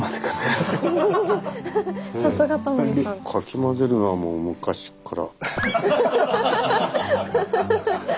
かき混ぜるのはもう昔から。